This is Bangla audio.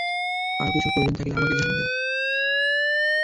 আরও কিছুর প্রয়োজন থাকলে, আমাকে জানাবেন।